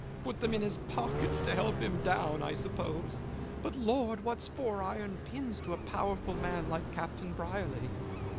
Put them in his pockets to help him down, I suppose; but, Lord! what's four iron pins to a powerful man like Captain Brierly.